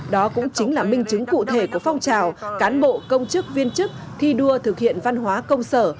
đó cũng chính là minh chứng cụ thể của phong trào cán bộ công chức viên chức thi đua thực hiện văn hóa công sở